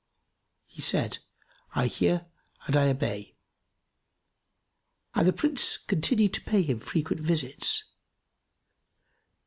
He said, "I hear and I obey"; and the Prince continued to pay him frequent visits.